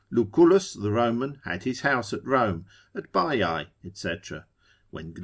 Lucullus the Roman had his house at Rome, at Baiae, &c. When Cn.